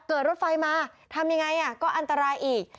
รถไฟมาทำยังไงก็อันตรายอีก